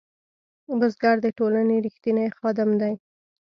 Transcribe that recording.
بزګر د ټولنې رښتینی خادم دی